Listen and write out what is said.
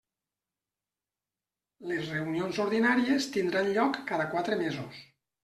Les reunions ordinàries tindran lloc cada quatre mesos.